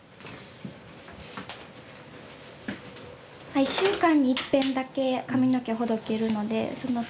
１週間にいっぺんだけ髪の毛ほどけるのでその時に。